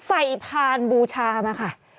ใส่ผ่านบูชามาค่ะ